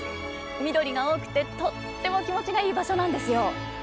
緑が多くてとっても気持ちがいい場所なんですよ。